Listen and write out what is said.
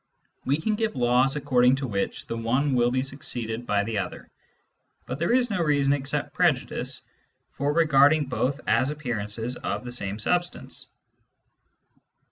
We can give laws according to which the one appearance wiU be succeeded by the other, but there is no reason except prejudice for regarding both as appearances of the same substance.